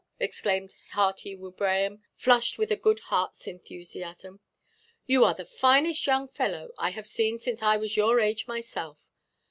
exclaimed Hearty Wibraham, flushed with a good heartʼs enthusiasm. "You are the finest young fellow I have seen since I was your age myself.